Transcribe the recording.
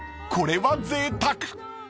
［これはぜいたく！］